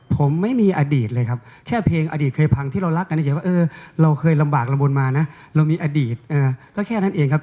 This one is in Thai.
ผมไม่มีอดีตเลยครับแค่เพลงอดีตเคยพังที่เรารักกันในใจว่าเราเคยลำบากลำบลมานะเรามีอดีตก็แค่นั้นเองครับ